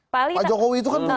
pak jokowi itu kan